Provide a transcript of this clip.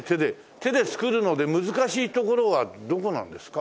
手で作るので難しいところはどこなんですか？